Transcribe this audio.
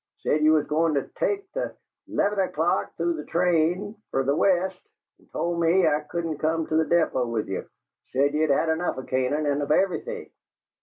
Said ye was goin' to take the 'leven o'clock through train fer the West, and told me I couldn't come to the deepo with ye. Said ye'd had enough o' Canaan, and of everything!